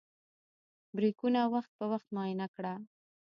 بریکونه وخت په وخت معاینه کړه.